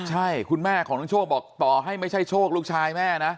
ใช่คุณแม่ของน้องโชคบอกต่อให้ไม่ใช่โชคลูกชายแม่นะ